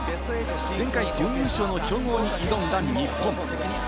前回準優勝の強豪に挑む日本。